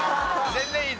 全然いい。